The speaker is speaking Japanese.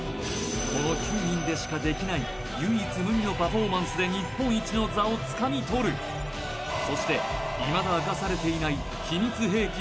この９人でしかできない唯一無二のパフォーマンスで日本一の座をつかみ取るそしていまだ明かされてない